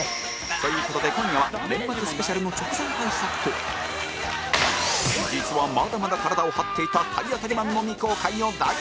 という事で今夜は年末スペシャルの直前対策と実はまだまだ体を張っていた体当たりマンの未公開を大放出